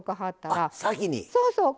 そうそう。